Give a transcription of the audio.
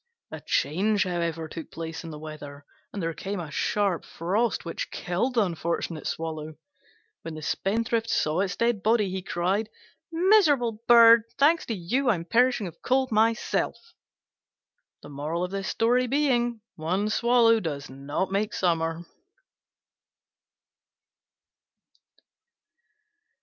A change, however, took place in the weather, and there came a sharp frost which killed the unfortunate Swallow. When the Spendthrift saw its dead body he cried, "Miserable bird! Thanks to you I am perishing of cold myself." One swallow does not make summer.